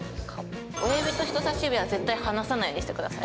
親指と人差し指は絶対離さないようにして下さい。